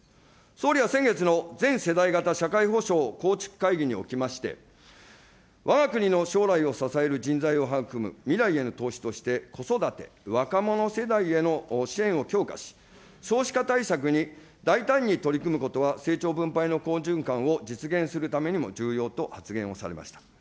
総理は先月の全世代型社会保障構築会議におきまして、わが国の将来を支える人材を育む未来への投資として、子育て、若者世代への支援を強化し、少子化対策に大胆に取り組むことは、成長分配の好循環を実現するためにも重要と発言をされました。